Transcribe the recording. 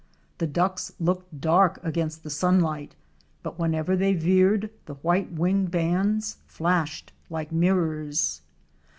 The Ducks looked dark against the sunlight but whenever they veered, the white wing bands flashed like mirrors.